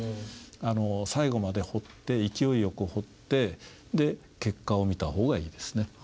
最後まで彫って勢いよく彫ってで結果を見た方がいいですね。